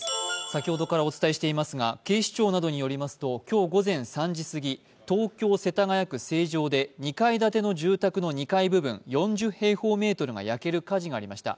先ほどからお伝えしていますが警視庁などによりますと今日午前３時すぎ東京・世田谷区成城で２階建ての住宅２階部分、４０平方メートルが焼ける火事がありました。